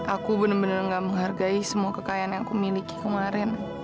aku benar benar gak menghargai semua kekayaan yang aku miliki kemarin